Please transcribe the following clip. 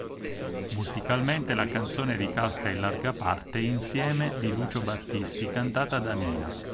Musicalmente la canzone ricalca in larga parte "Insieme" di Lucio Battisti, cantata da Mina.